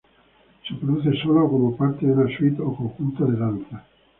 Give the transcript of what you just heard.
Se produce sola o como parte de una suite o conjunto de danzas.